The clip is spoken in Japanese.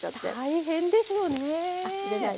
大変ですもんね。